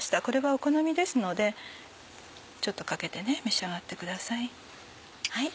これはお好みですのでちょっとかけて召し上がってください。